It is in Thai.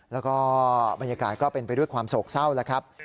แล้วก็บรรยากาศก็เป็นไปด้วยความโศกเศร้าแล้วครับ